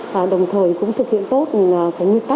và đồng thời cũng thực hiện tốt